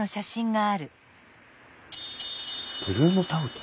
ブルーノ・タウト？